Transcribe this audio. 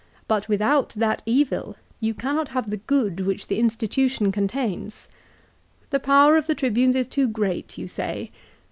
But without that evil you cannot have the good which the institution contains. The power of the Tribunes is too great you say.